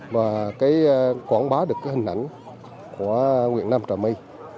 và cái quảng bá được cái hình ảnh của nguyễn nam trà mây